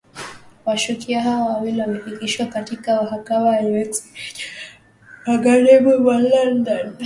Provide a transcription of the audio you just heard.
Washukiwa hao wawili wamefikishwa katika mahakama ya Uxbridge magharibi mwa London